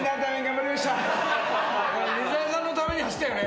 水谷さんのために走ったよね？